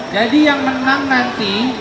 jadi yang menang nanti